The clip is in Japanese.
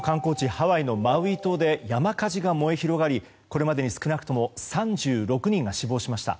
ハワイのマウイ島で山火事が燃え広がりこれまでに少なくとも３６人が死亡しました。